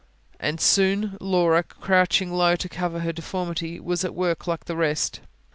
And soon Laura, crouching low to cover her deformity, was at work like the rest.